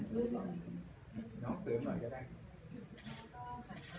รู้ต่อหนึ่ง